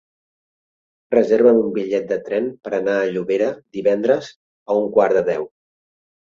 Reserva'm un bitllet de tren per anar a Llobera divendres a un quart de deu.